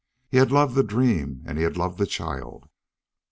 He had loved the dream and he had loved the child.